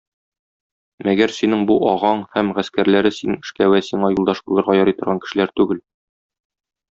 Мәгәр синең бу агаң һәм гаскәрләре синең эшкә вә сиңа юлдаш булырга ярый торган кешеләр түгел.